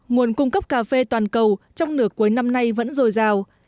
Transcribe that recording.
nguồn cung cấp cà phê toàn cầu trong nửa cuối năm nay vẫn dồi dào